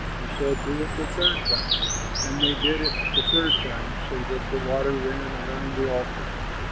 He said, "Do it the third time"; and they did it the third time, so that the water ran round the altar.